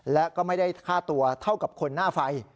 และก็ไม่ได้ค่าตัวเท่ากับคนหน้าไฟ